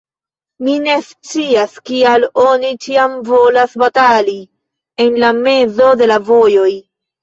Mi ne scias, kial oni ĉiam volas batali en la mezo de la vojoj.